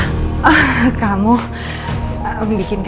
ketika lebih meja m remindedari kuat iyaku